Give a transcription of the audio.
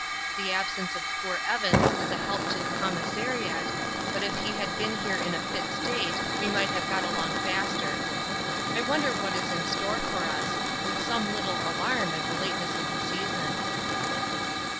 The absence of poor Evans is a help to the commissariat, but if he had been here in a fit state we might have got along faster. I wonder what is in store for us, with some little alarm at the lateness of the season.